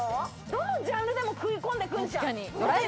どのジャンルでも食い込んでくるじゃん。